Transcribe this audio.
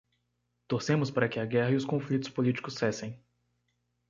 Torcemos para que a guerra e os conflitos políticos cessem